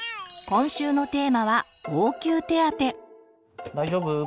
今週のテーマは大丈夫？